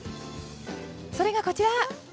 それがこちら。